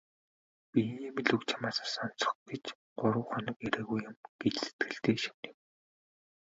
"Би ийм л үг чамаасаа сонсох гэж гурав хоног ирээгүй юм" гэж сэтгэлдээ шивнэв.